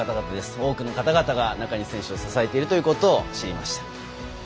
多くの方々が中西選手を支えているということを知りました。